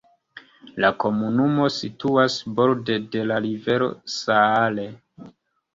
La komunumo situas borde de la rivero Saale.